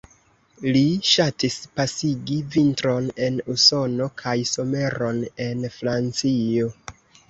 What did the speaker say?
Li ŝatis pasigi vintron en Usono kaj someron en Francio.